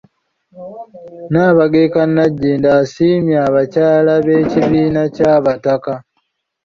Nnaabagereka Nagginda asiimye abakyala b'ekibiina ky'Abataka.